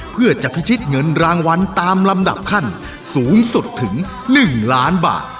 เพื่อจะพิชิตเงินรางวัลตามลำดับขั้นสูงสุดถึง๑ล้านบาท